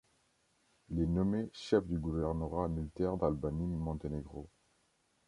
Il est nommé chef du gouvernorat militaire d’Albanie-Monténégro.